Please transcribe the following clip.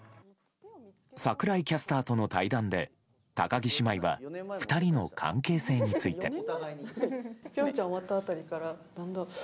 櫻井キャスターとの対談で高木姉妹は２人の関係性について。